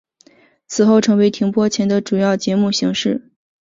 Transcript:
此后成为停播前的主要节目形式。